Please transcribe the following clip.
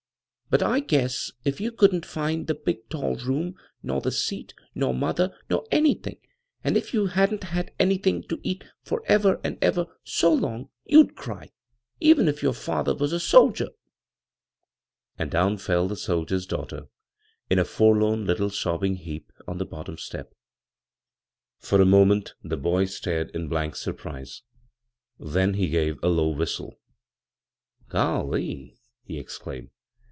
But I g^ess if you couldn't find the big tall room, nor the seat, nor mother nor anything, and if you hadn't had anything to eat for ever and ever so long, you'd cry, even if your father was a soldier I " And down fell the soldier's daughter in a forlorn litUe sobbing heap on the bottom step. a6 b, Google CROSS CURRENTS For a moment the boy stared in blank sur prise ; then he gave a low whistle. " Golly 1 " he exclaimed.